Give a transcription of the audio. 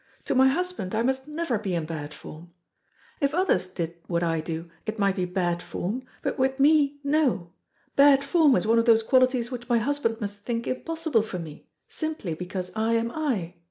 To my husband I must never be in bad form. If others did what I do, it might be bad form, but with me, no. Bad form is one of those qualities which my husband must think impossible for me, simply because I am I.